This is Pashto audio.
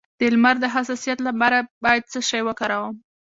د لمر د حساسیت لپاره باید څه شی وکاروم؟